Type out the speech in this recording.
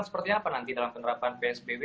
seperti apa nanti dalam penerapan psbb